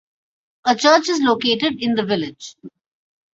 A church is located in the village.